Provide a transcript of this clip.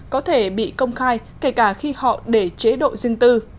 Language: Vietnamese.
có thể bị công khai kể cả khi họ để chế độ riêng tư